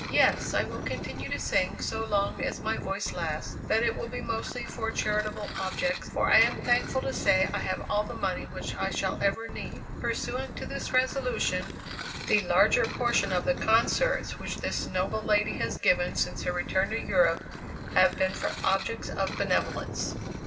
Yes, I will continue to sing so long as my voice lasts, but it will be mostly for charitable objects, for I am thankful to say I have all the money which I shall ever need." Pursuant to this resolution, the larger portion of the concerts which this noble lady has given since her return to Europe, have been for objects of benevolence.